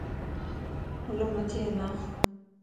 ھلو مٿي ھلان.